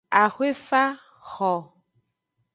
Ahoefa xo.